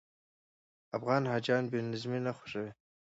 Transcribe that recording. افغان حاجیان بې نظمي نه خوښوي.